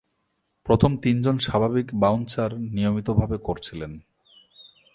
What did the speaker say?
প্রথম তিনজন স্বাভাবিক বাউন্সার নিয়মিতভাবে করছিলেন।